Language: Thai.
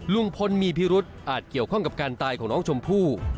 ลุงพลมีพิรุษอาจเกี่ยวข้องกับการตายของน้องชมพู่